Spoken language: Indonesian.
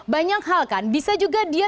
banyak hal kan bisa juga dia